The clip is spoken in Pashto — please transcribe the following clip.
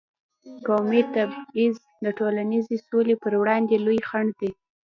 قومي تبعیض د ټولنیزې سولې پر وړاندې لوی خنډ دی.